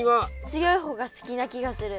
強い方が好きな気がする。